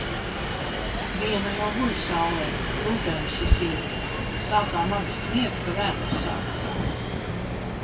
Viena jau guļ saulē – Rubensa sieviete. Sākām abi smiet, ka vēders sāka sāpēt.